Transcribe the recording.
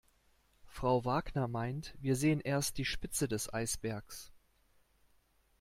Frau Wagner meint, wir sehen erst die Spitze des Eisbergs.